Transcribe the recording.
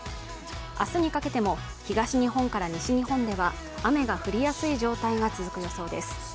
明日にかけても東日本から西日本では雨が降りやすい状態が続く見込みです。